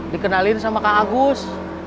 dikenalin sama kang agus